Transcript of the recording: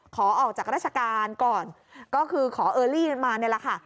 ขอออกจากราชการก่อนก็คือขอเออรี่มานี่แหละค่ะ